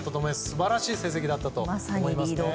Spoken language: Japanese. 素晴らしい成績だったと思います。